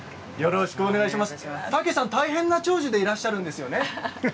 タケさん、大変な長寿でいらっしゃるんですね？